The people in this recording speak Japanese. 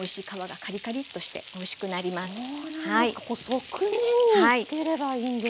側面につければいいんですか。